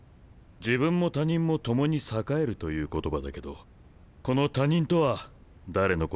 自分も他人も共に栄えるという言葉だけどこの他人とは誰のことか分かるかい？